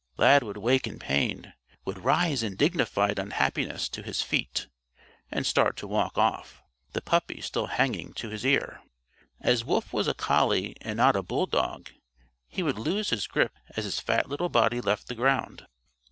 Lad would wake in pain, would rise in dignified unhappiness to his feet and start to walk off the puppy still hanging to his ear. As Wolf was a collie and not a bulldog, he would lose his grip as his fat little body left the ground.